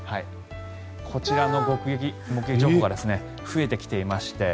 こちらの目撃情報が増えてきていまして。